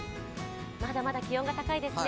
まだまだ気温が高いですね。